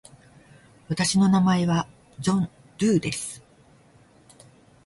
私の名前はジョン・ドゥーです。